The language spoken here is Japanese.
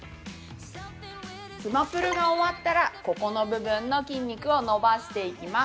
◆つまぷるが終わったらここの部分の筋肉を伸ばしていきます。